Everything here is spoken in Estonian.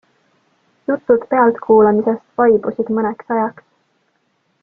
Jutud pealtkuulamisest vaibusid mõneks ajaks.